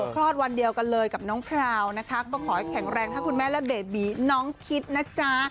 คลอดวันเดียวกันเลยกับน้องพราวนะคะก็ขอให้แข็งแรงทั้งคุณแม่และเบบีน้องคิดนะจ๊ะ